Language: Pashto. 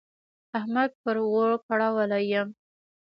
احمد پر اور کړولی يم.